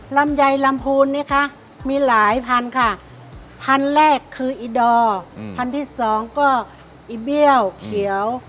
ลำไยลำพูนมีหลายพันธุ์ค่ะพันธุ์แรกคืออีดอพันธุ์ที่สองก็อีเบี้ยวเขียว